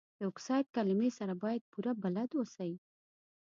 د اکسایډ کلمې سره باید پوره بلد اوسئ.